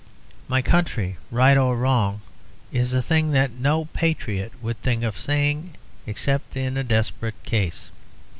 'My country, right or wrong,' is a thing that no patriot would think of saying except in a desperate case.